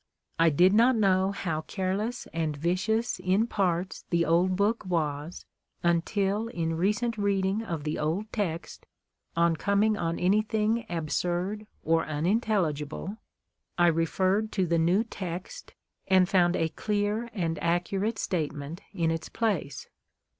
I did not know liow care less and vicious in jiarts tlie old book was, until in recent reading of the old text, on coming• on any thing at)surd or unintelligible, I referred to the new text, and found a clear and accurate statement ir. its place.